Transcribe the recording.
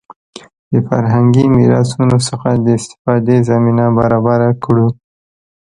د فرهنګي میراثونو څخه د استفادې زمینه برابره کړو.